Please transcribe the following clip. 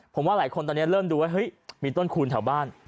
ผมว่าหลายคนตอนนี้เริ่มดูไว้มีต้นคูณเฉาบ้าน